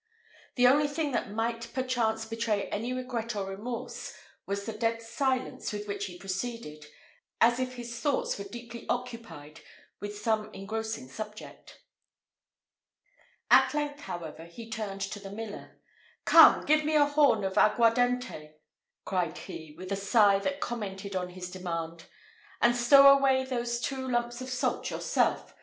The only thing that might perchance betray any regret or remorse was the dead silence with which he proceeded, as if his thoughts were deeply occupied with some engrossing subject. At length, however, he turned to the miller: "Come, give me a horn of the aguardente!" cried he, with a sigh that commented on his demand; "and stow away those two lumps of salt yourself.